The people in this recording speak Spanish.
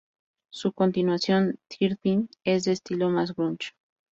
Su continuación, "Thirteen", es de estilo más grunge.